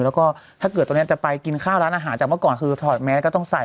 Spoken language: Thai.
แล้วก็ถ้าเกิดตรงนี้จะไปกินข้าวร้านอาหารจากเมื่อก่อนคือถอดแมสก็ต้องใส่